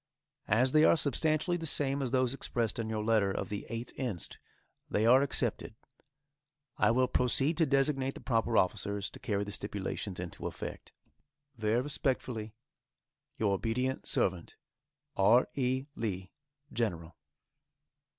As they are substantially the same as those expressed in your letter of the 8th inst., they are accepted. I will proceed to designate the proper officers to carry the stipulations into effect. Very respectfully, Your obedient servant, R. E. LEE, General.